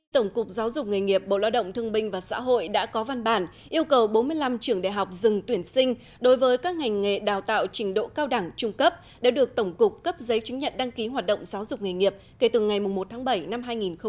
tổng cục giáo dục nghề nghiệp bộ lo động thương binh và xã hội đã có văn bản yêu cầu bốn mươi năm trường đại học dừng tuyển sinh đối với các ngành nghề đào tạo trình độ cao đẳng trung cấp đã được tổng cục cấp giấy chứng nhận đăng ký hoạt động giáo dục nghề nghiệp kể từ ngày một tháng bảy năm hai nghìn hai mươi